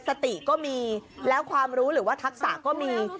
สติก็มีแล้วความรู้หรือว่าทักษะก็มี